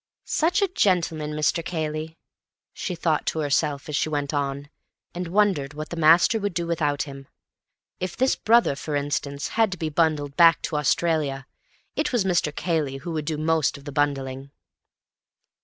"Such a gentleman, Mr. Cayley," she thought to herself as she went on, and wondered what the master would do without him. If this brother, for instance, had to be bundled back to Australia, it was Mr. Cayley who would do most of the bundling.